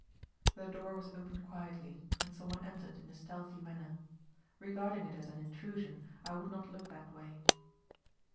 The door was opened quietly, and some one entered in a stealthy manner. Regarding it as an intrusion, I would not look that way.